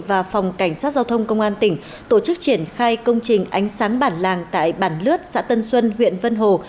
và phòng cảnh sát giao thông công an tỉnh tổ chức triển khai công trình ánh sáng bản làng tại bản lướt xã tân xuân huyện vân hồ